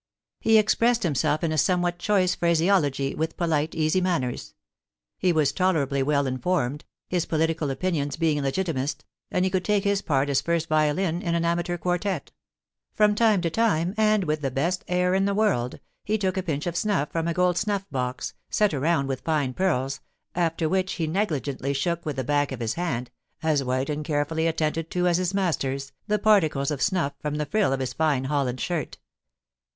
He expressed himself in somewhat choice phraseology, with polite, easy manners; he was tolerably well informed, his political opinions being legitimist, and he could take his part as first violin in an amateur quartette. From time to time, and with the best air in the world, he took a pinch of snuff from a gold snuff box, set around with fine pearls, after which he negligently shook with the back of his hand (as white and carefully attended to as his master's) the particles of snuff from the frill of his fine Holland shirt.